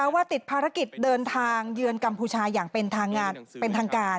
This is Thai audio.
ว่าติดภารกิจเดินทางเยือนกรรมพูชาอย่างเป็นทางงานเป็นทางการ